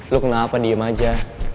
lo kenapa diem aja